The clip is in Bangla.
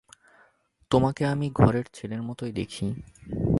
তোমাকে আমি ঘরের ছেলের মতোই দেখি।